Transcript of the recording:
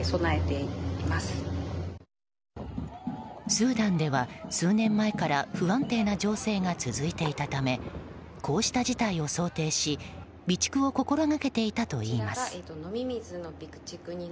スーダンでは数年前から不安定な情勢が続いていたためこうした事態を想定し備蓄を心がけていたといいます。